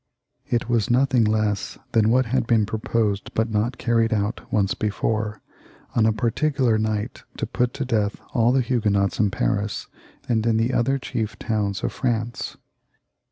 It was nothing less than what had been proposed but not carried out once before — on a particular night to put to death all the Huguenots in Paris and in the other chief towns of France.